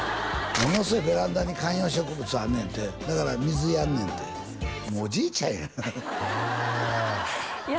ものすごいベランダに観葉植物あんねんてだから水やんねんてもうおじいちゃんやんへえいや